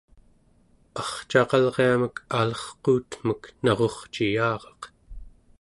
arcaqalriamek alerquutmek narurciyaraq